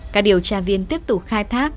các điều tra viên tiếp tục khai thác